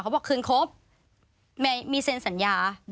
บอกคืนครบมีเซ็นสัญญา